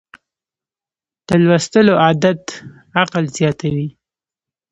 د لوستلو عادت عقل زیاتوي.